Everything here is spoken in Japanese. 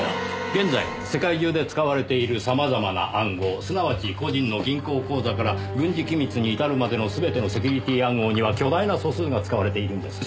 現在世界中で使われている様々な暗号すなわち個人の銀行口座から軍事機密に至るまでの全てのセキュリティー暗号には巨大な素数が使われているんです。